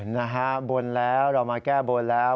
นะฮะบนแล้วเรามาแก้บนแล้ว